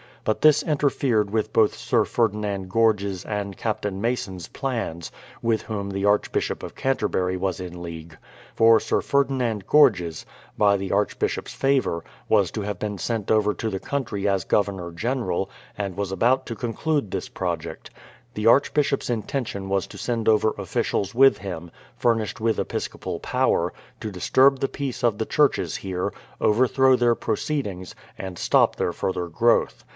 But this inter fered with both Sir Ferdinand Gorges' and Captain Mason's plans, with whom the Archbishop of Canterbury was in league; for Sir Ferdinand Gorges, by the Archbishop's favour, was to have been sent over to the country as Governor General, and was about to conclude this project. The Archbishop's intention was to send over officials with him, furnished with episcopal power, to disturb the peace of the churches here, overthrow their proceedings, and stop their further growth.